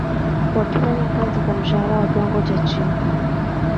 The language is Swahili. wakifanya kazi kwa mshahara wa kiwango cha chini